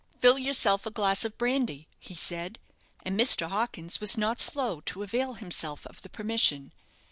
"Fill yourself a glass of brandy," he said. And Mr. Hawkins was not slow to avail himself of the permission.